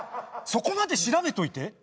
そこまで調べといて。